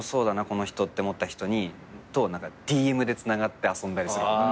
この人って思った人とＤＭでつながって遊んだりすることが。